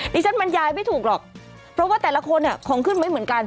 บรรยายไม่ถูกหรอกเพราะว่าแต่ละคนของขึ้นไว้เหมือนกัน